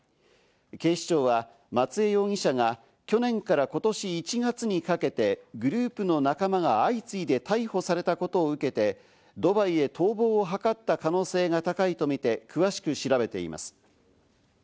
警視庁は松江容疑者が去年から今年１月にかけて、グループの仲間が相次いで逮捕されたことを受けて、ドバイへ逃亡を図った可能性が高いとみて、詳しく調べています。